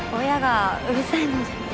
親がうるさいので。